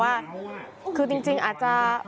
ว่าคือจริงอาจจะ